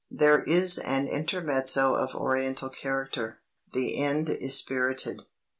There is an intermezzo of Oriental character. The end is spirited.